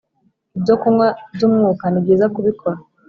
ibyokunywa by Umwuka nibyiza kubikora